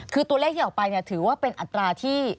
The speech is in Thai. คือตัวเลขที่ออกไปถือว่าเป็นอัตราที่